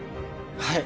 はい